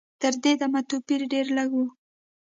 تر دې دمه توپیر ډېر لږ و.